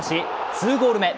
２ゴール目。